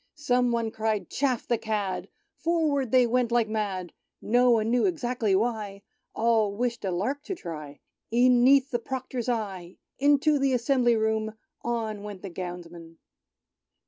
Some one cried, " Chaff the cad !" Forward they went like mad — None knew exactly why — All wished a lark to try — E'en 'neath the Proctor's eye — Into the Assembly Room. On went the Gownsmen.